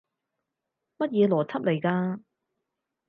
乜嘢邏輯嚟㗎？